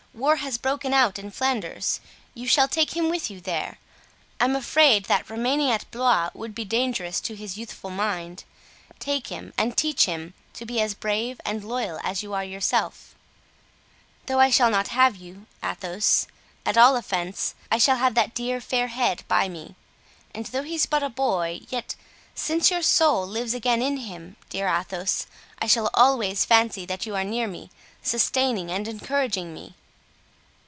War has broken out in Flanders. You shall take him with you there. I am afraid that remaining at Blois would be dangerous to his youthful mind. Take him and teach him to be as brave and loyal as you are yourself." "Then," replied D'Artagnan, "though I shall not have you, Athos, at all events I shall have that dear fair haired head by me; and though he's but a boy, yet, since your soul lives again in him, dear Athos, I shall always fancy that you are near me, sustaining and encouraging me."